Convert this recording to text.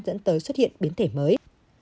dẫn tới xuất hiện biến thể mới